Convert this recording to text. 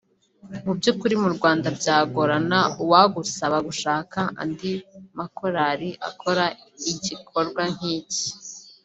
Mu by’ukuri mu Rwanda byagorana uwagusaba gushaka andi makorali akora igikorwa nk’iki